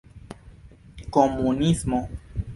komunismo